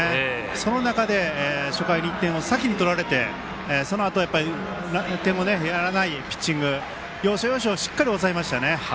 その中で初回に１点を先に取られてそのあと点をやらないピッチング要所要所しっかり押さえましたね。